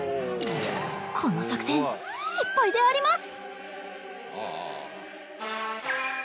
この作戦失敗であります。